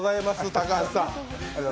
高橋さん